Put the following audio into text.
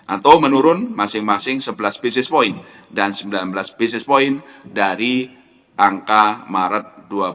atau menurun masing masing sebelas basis point dan sembilan belas basis point dari angka maret dua ribu dua puluh